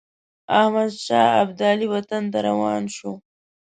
احمدشاه ابدالي وطن ته روان شو.